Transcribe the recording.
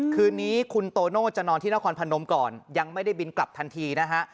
คืนนี้คุณโตโน่จะนอนที่นครพนมก่อนยังไม่ได้บินกลับทันทีนะฮะ